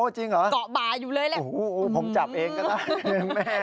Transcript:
จริงเหรอโอ้โหผมจับเองก็แล้วแม่